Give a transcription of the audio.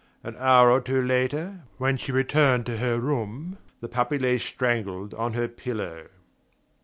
An hour or two later, when she returned to her room, the puppy lay strangled on her pillow...